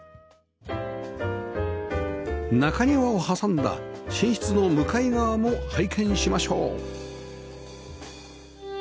中庭を挟んだ寝室の向かい側も拝見しましょう